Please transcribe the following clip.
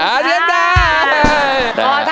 อ่ายังได้